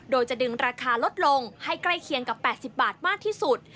โดยจะดึงราคาลดลงให้ใกล้เคียงกับ๘๐บาทมากที่สุด